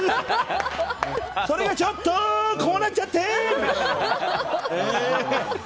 それがちょっとこうなっちゃって！